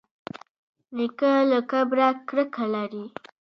نیکه له کبره کرکه لري.